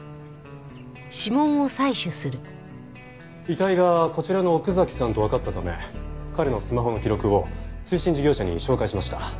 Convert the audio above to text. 遺体がこちらの奥崎さんとわかったため彼のスマホの記録を通信事業者に照会しました。